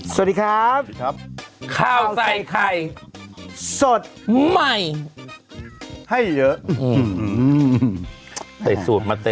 สวัสดีครับสวัสดีครับข้าวใส่ไข่สดใหม่ให้เยอะใส่สูตรมาเต็ม